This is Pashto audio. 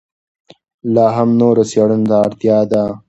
لا هم نورو څېړنو ته اړتیا ده.